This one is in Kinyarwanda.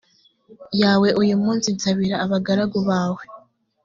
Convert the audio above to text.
yawe uyu munsi nsabira abagaragu bawe